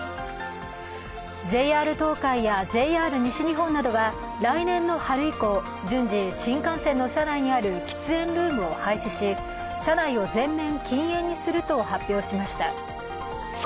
ＪＲ東海やＪＲ西日本などは来年の春以降、順次、新幹線の車内にある喫煙ルームを廃止し車内を全面禁煙にすると発表しました。